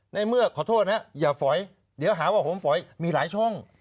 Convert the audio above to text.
ในเมื่อขอโทษนะอย่าฝอยเดี๋ยวหาว่าผมฝอยมีหลายช่อง